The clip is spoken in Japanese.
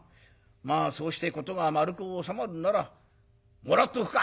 まあそうして事が丸く収まるならもらっておくか」。